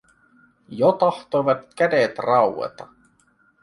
Jo tahtoivat kädet raueta.